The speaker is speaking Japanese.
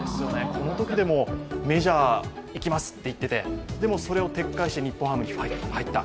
このときでもメジャーいきますって言っててでもそれを撤回して日本ハムに入った。